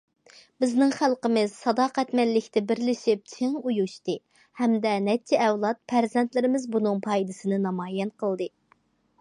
بىزنىڭ خەلقىمىز ساداقەتمەنلىكتە بىرلىشىپ چىڭ ئۇيۇشتى، ھەمدە نەچچە ئەۋلاد پەرزەنتلىرىمىز بۇنىڭ پايدىسىنى نامايان قىلدى.